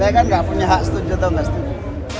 saya kan nggak punya hak setuju atau nggak setuju